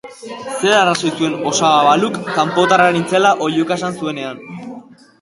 Zer arrazoi zuen osaba Baluk kanpotarra nintzela oihuka esan zuenean...